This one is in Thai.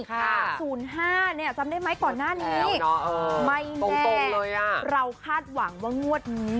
ค่ะศูนย์๕เนี่ยจำได้ไหมก่อนหน้านี้ไม่แน่เราคาดหวังว่างว่างวัดนี้